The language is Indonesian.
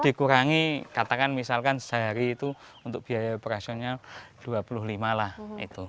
dikurangi katakan misalkan sehari itu untuk biaya operasionalnya dua puluh lima lah itu